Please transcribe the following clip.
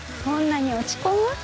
そんなに落ち込む？